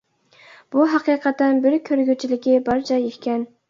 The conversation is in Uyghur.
بۇ ھەقىقەتەن بىر كۆرگۈچىلىكى بار جاي ئىكەن.